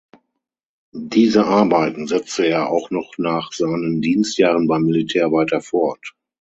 Diese Arbeiten setzte er auch noch nach seinen Dienstjahren beim Militär weiter fort.